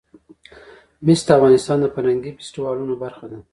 مس د افغانستان د فرهنګي فستیوالونو برخه ده.